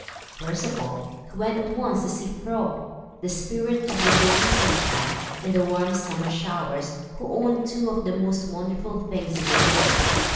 First of all, he went at once to see Fro, the spirit of the golden sunshine and the warm summer showers, who owned two of the most wonderful things in the world.